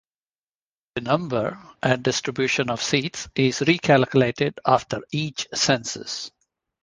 The number and distribution of seats is recalculated after each census.